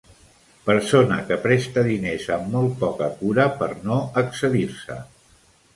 Persona que presta diners amb molt poca cura per no excedir-se.